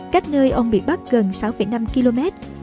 cách nơi ông bị bắt gần sáu năm km